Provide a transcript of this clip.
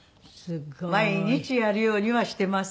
毎日やるようにはしてます。